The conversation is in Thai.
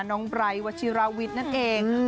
น้องำไบร์ต์วัชิราวิตนั่นเอง